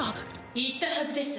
言ったはずです。